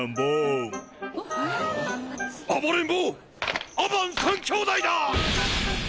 ・暴れん坊アバン三兄弟だ！